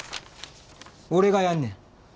俺がやんねん。